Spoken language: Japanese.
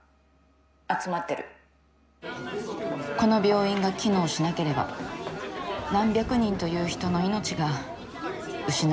この病院が機能しなければ何百人という人の命が失われるかもしれない。